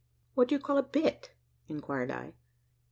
"What do you call a bit?" inquired I.